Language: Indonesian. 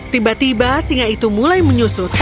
tiba tiba singa itu mulai menyusut